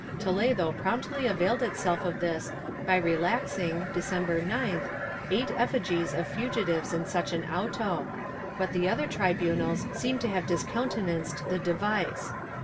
Toledo promptly availed itself of this by relaxing, December 9th, eight effigies of fugitives in such an auto,^ but the other tribunals seem to have discountenanced the device.